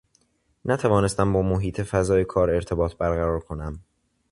نتوانستم با محیط فضای کار ارتباط برقرار کنم